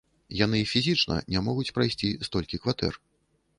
Яны фізічна не могуць прайсці столькі кватэр.